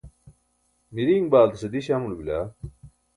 miriiṅ baaltase diś amulo bila?